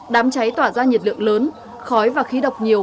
đám cháy tỏa ra nhiệt lượng lớn khói và khí độc nhiều